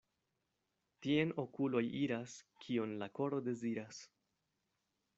Tien okuloj iras, kion la koro deziras.